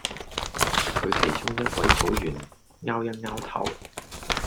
佢其中一位組員 𢯎 一 𢯎 頭